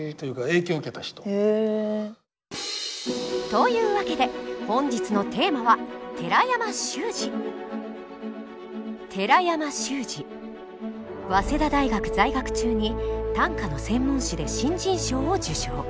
という訳で本日のテーマは早稲田大学在学中に短歌の専門誌で新人賞を受賞。